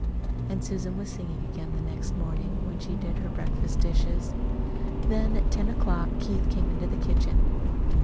And Susan was singing again the next morning when she did her breakfast dishes. At ten o'clock Keith came into the kitchen.